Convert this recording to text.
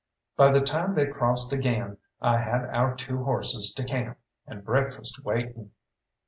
By the time they crossed again I had our two horses to camp, and breakfast waiting.